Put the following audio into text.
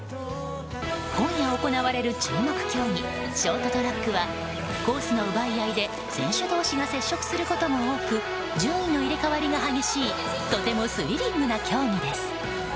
今夜行われる注目競技ショートトラックはコースの奪い合いで選手同士が接触することも多く順位の入れ替わりが激しいとてもスリリングな競技です。